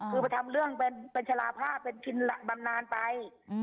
คือไปทำเรื่องเป็นชะลาภาพเป็นกินบำนานไป